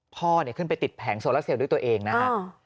พ่อเนี้ยขึ้นไปติดแผงโซลาเซลด้วยตัวเองนะฮะอ้อ